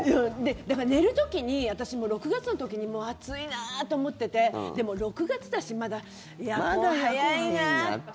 だから寝る時に私も６月の時にもう暑いなと思っててでも６月だし、まだ早いなって。